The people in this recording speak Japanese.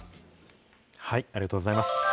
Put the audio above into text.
ありがとうございます。